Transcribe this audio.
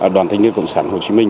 đoàn thanh niên cộng sản hồ chí minh